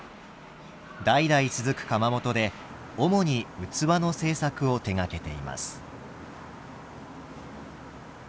代々続く窯元で主に器の製作を手がけています。